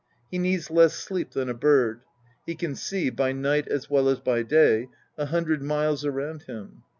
He needs less sleep than a bird ; he can see, by night as well as by day, a hundred miles around him.